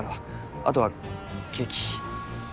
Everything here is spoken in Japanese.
あとはケーキ。